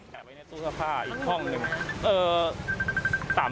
ใช่ครับ